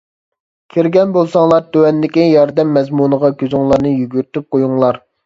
كىرگەن بولساڭلار تۆۋەندىكى ياردەم مەزمۇنىغا كۆزۈڭلارنى يۈگۈرتۈپ قويۇڭلار.